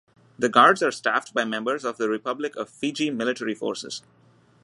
The guards are staffed by members of the Republic of Fiji Military Forces.